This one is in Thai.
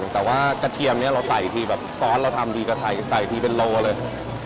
แต่ว่ากระเทียมนี้เราใส่ทีแบบซอสเราทำดีก็ใส่ใส่ทีเป็นโลเลย